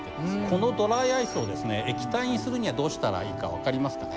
このドライアイスを液体にするにはどうしたらいいか分かりますかね？